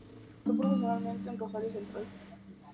Debutó profesionalmente en Rosario Central.